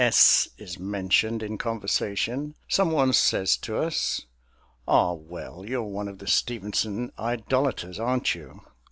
S. is mentioned in conversation, someone says to us: "Ah well, you're one of the Stevenson idolators, aren't you?"